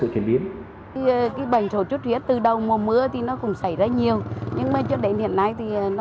thì ít nhất người dân